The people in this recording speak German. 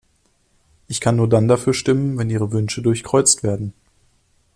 Ich kann nur dann dafür stimmen, wenn ihre Wünsche durchkreuzt werden.